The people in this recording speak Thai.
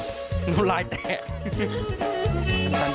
น้ำไหล่แตะ